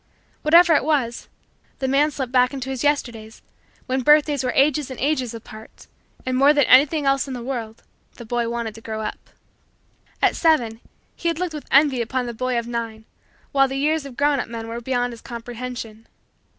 Whatever it swas, the man slipped back into his Yesterdays when birthdays were ages and ages apart and, more than anything else in the world, the boy wanted to grow up. At seven, he had looked with envy upon the boy of nine while the years of grown up men were beyond his comprehension.